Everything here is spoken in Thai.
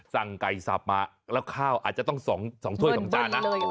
สั่งไก่สับมาแล้วข้าวอาจจะต้อง๒ถ้วย๒จานนะ